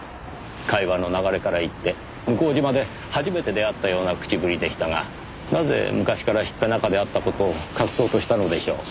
会話の流れからいって向島で初めて出会ったような口ぶりでしたがなぜ昔から知った仲であった事を隠そうとしたのでしょう？